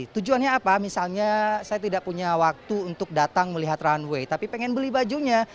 tujuannya apa misalnya saya tidak punya waktu untuk datang melihat runway tapi pengen beli bajunya